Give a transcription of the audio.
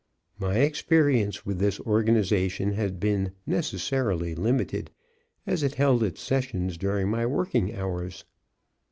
My experience with this organization had been necessarily limited, as it held its sessions during my working hours.